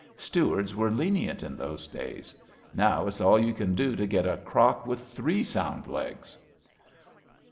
Stewards were lenient in those days. Now it's all you can do to get a crock with three sound legs.''